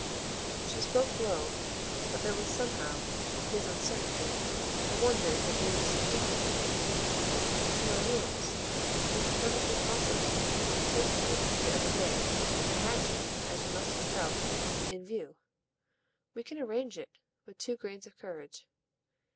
She spoke low, but there was somehow, for his uncertainty, a wonder in her being so equal to him. "To my rooms, which are perfectly possible, and in taking which, the other day, I had you, as you must have felt, in view. We can arrange it with two grains of courage.